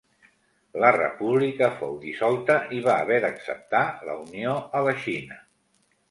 La república fou dissolta i va haver d'acceptar la unió a la Xina.